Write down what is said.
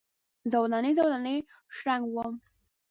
زولنې، زولنې شرنګ وم